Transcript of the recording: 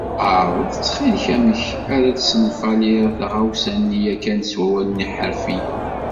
Ԑreḍ ttxil amek ara d-tessenfaliḍ taɣawsa-nni yakan s wawalen iḥerfiyen.